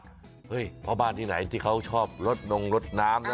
เฮ้ยพ่อบ้านที่ไหนที่เขาชอบรถนงรถน้ำนะ